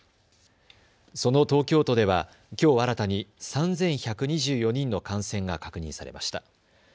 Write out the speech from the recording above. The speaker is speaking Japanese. その東京都では、きょう新たに３１２４人の感染が確認されました。